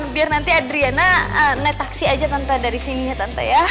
biar nanti adriana naik taksi aja tante dari sini ya tante ya